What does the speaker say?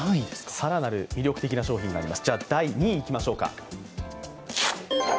さらなる魅力的な商品があります。